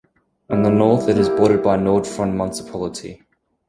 On the north it is bordered by Nord-Fron municipality.